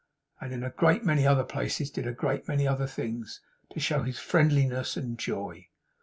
and in a great many other places did a great many other things to show his friendliness and joy.